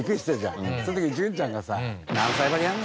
その時に潤ちゃんがさ